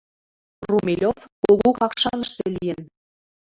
Румелёв Кугу Какшаныште лийын.